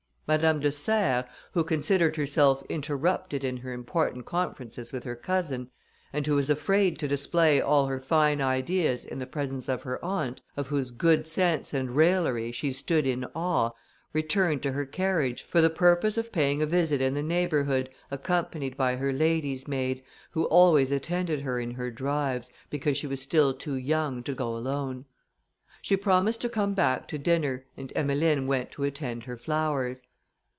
Madame de Serres, who considered herself interrupted in her important conferences with her cousin, and who was afraid to display all her fine ideas in the presence of her aunt, of whose good sense and raillery she stood in awe, returned to her carriage, for the purpose of paying a visit in the neighbourhood, accompanied by her lady's maid, who always attended her in her drives, because she was still too young to go alone. She promised to come back to dinner, and Emmeline went to attend her flowers.